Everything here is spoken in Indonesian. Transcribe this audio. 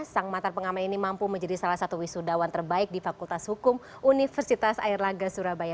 sang mantan pengamen ini mampu menjadi salah satu wisudawan terbaik di fakultas hukum universitas airlangga surabaya